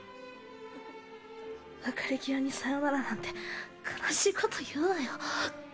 別れ際にさよならなんて悲しいこと言うなよ。